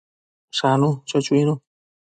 Shanu, cho chuinu